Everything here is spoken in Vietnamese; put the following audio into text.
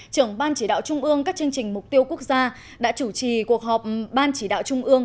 trưởng ban chỉ đạo trung ương các chương trình mục tiêu quốc gia đã chủ trì cuộc họp ban chỉ đạo trung ương